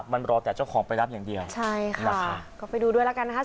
มันรอแต่เจ้าของไปรับอย่างเดียวใช่ค่ะนะคะก็ไปดูด้วยแล้วกันนะคะ